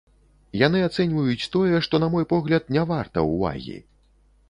Яны ацэньваюць тое, што, на мой погляд, не варта ўвагі.